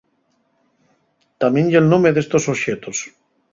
Tamién ye'l nome d'estos oxetos.